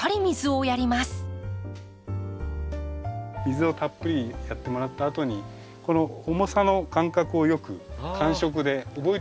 水をたっぷりやってもらったあとにこの重さの感覚をよく感触で覚えといて頂いて。